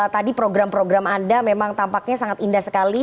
tadi program program anda memang tampaknya sangat indah sekali